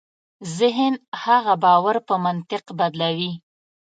ذهن هغه باور په منطق بدلوي.